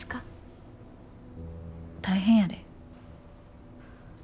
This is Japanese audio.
大変やで。